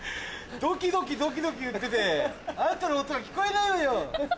ドキドキドキドキいっててあんたの音が聞こえないわよ！